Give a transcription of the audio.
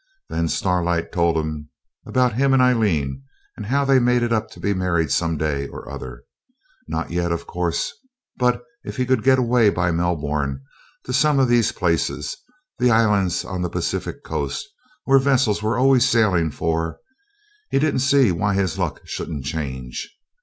Then Starlight told him about him and Aileen, how they'd made it up to be married some day or other. Not yet, of course; but if he could get away by Melbourne to some of these places the islands on the Pacific coast, where vessels were always sailing for he didn't see why his luck shouldn't change.